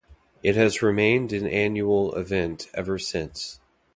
It has remained an annual event ever since.